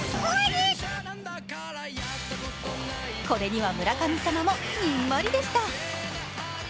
これには村神様もにんまりでした。